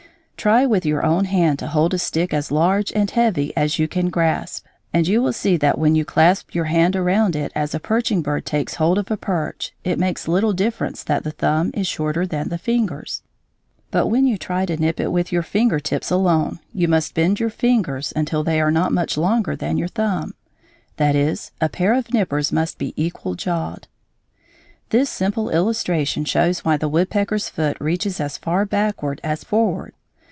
Try with your own hand to hold a stick as large and heavy as you can grasp, and you will see that when you clasp your hand around it as a perching bird takes hold of a perch, it makes little difference that the thumb is shorter than the fingers, but when you try to nip it with your finger tips alone, you must bend your fingers until they are not much longer than your thumb, that is, a pair of nippers must be equal jawed. This simple illustration shows why the woodpecker's foot reaches as far backward as forward.